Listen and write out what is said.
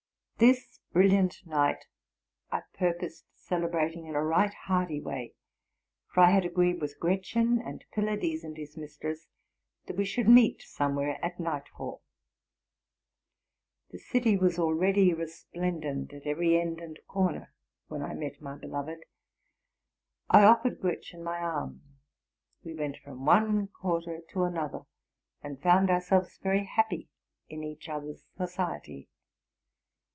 This brilliant night I purposed celebrating in a right hearty way; for I had agreed with Gretchen, and Pylades and his mistress, that we should meet somewhere at nightfall. The city was already resplendent at every end and corner when I met my beloved. I offered Gretchen my arm: we went from one quarter to another, and found ourselves very happy in each other's society.